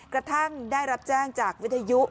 กระทั่งได้รับแจ้งจากวิทยุ